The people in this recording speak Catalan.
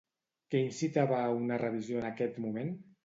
Què incitava a una revisió en aquest moment?